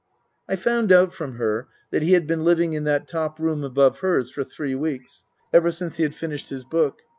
I found out from her that he had been living in that top room above hers for three weeks ever since he had finished his book.